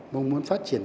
mong muốn phát triển